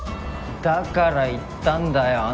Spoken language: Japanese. だから言ったんだよ